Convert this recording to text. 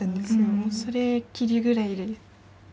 もうそれきりぐらいで。